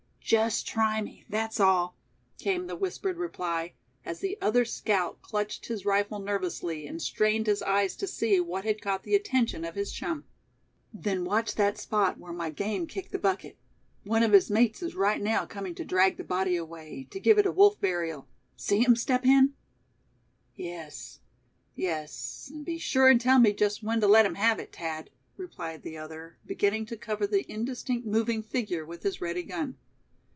"Just try me, that's all," came the whispered reply, as the other scout clutched his rifle nervously, and strained his eyes to see what had caught the attention of his chum. "Then watch that spot where my game kicked the bucket; one of his mates is right now coming to drag the body away, to give it a wolf burial. See him, Step Hen?" "Yes, yes, and be sure and tell me just when to let him have it, Thad," replied the other, beginning to cover the indistinct moving figure with his ready gun.